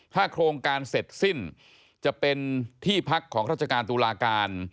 ถ้าโครงการเสร็จสิ้นจะเป็นที่พักของราชการตุลาการ